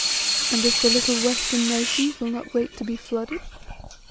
"And if the 'little western nations' will not wait to be flooded?"